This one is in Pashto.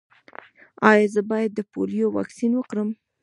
ایا زه باید د پولیو واکسین وکړم؟